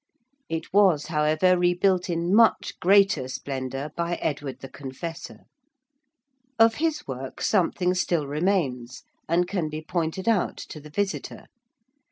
It was, however, rebuilt in much greater splendour by Edward the Confessor. Of his work something still remains, and can be pointed out to the visitor.